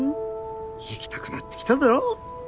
行きたくなってきただろ？